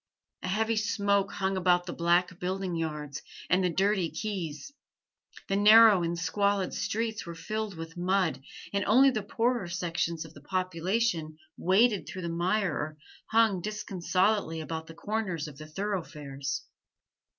A heavy smoke hung about the black building yards and the dirty quays; the narrow and squalid streets were filled with mud, and only the poorer sections of the population waded through the mire or hung disconsolately about the corners of the thorough fares.